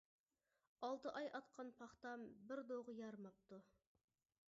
ئالتە ئاي ئاتقان پاختام بىر دوغا يارماپتۇ.